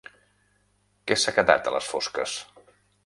Que s'ha quedat a les fosques?